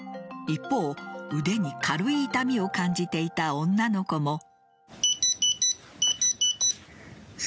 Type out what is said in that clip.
一方、腕に軽い痛みを感じていた女の子も。